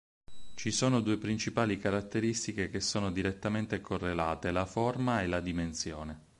Ci sono due principali caratteristiche che sono direttamente correlate, la forma e la dimensione.